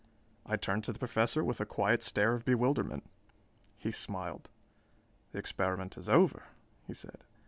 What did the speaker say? I turned to the Professor with a quiet stare of bewilderment. He smiled. "The experiment is over," he said.